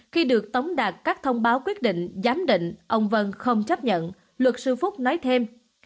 khi được tống đạt các thông báo quyết định giám định ông vân không chấp nhận luật sư phúc nói thêm